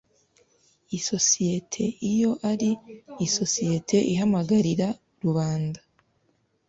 Isosiyete iyo ari isosiyete ihamagarira rubanda